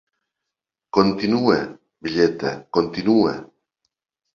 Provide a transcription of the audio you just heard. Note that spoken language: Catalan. Continua, velleta, continua!